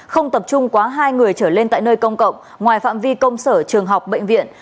không tập trung quá hai người trở lên tại nơi công cộng ngoài phạm vi công sở trường học bệnh viện